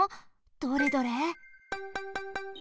どれどれ。